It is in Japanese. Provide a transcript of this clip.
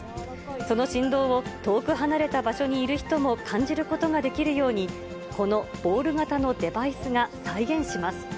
その振動を、遠く離れた場所にいる人も感じることができるように、このボール型のデバイスが再現します。